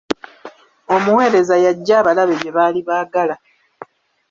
Omuwereza yaggya alabe bye baali baagala.